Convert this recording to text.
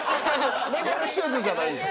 レンタルシューズじゃないです。